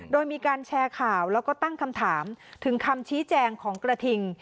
โดยมีการแชร์ข่าวแล้วก็ตั้งคำถามถึงคำชี้แจงของกระทิง